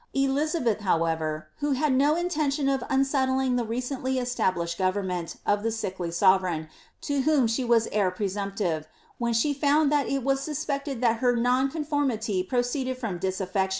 Elizabeth, however, who had no inten tion of unsettling the recently established government of the sickly sovereign, to whom she was heir presumptive, when she found that it was suspectfd that her nonconformity proceeded from disaffection, de • Letters of Pope Julius III.